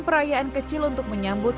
perayaan kecil untuk menyambut